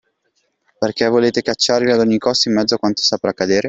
Perché volete cacciarvi a ogni costo in mezzo a quanto sta per accadere?